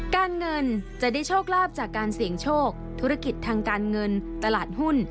การเงินจะได้โชคลาภจากการเสี่ยงโชคธุรกิจทางการเงินตลาดหุ้น